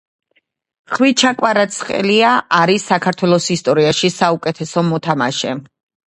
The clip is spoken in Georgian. ხვიჩა კვარაცხელია არის საქართველოს ისტორიაში საუკეთესო მოთამაშე